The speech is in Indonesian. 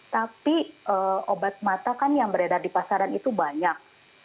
tapi obat mata kan yang beredar di pasaran itu banyak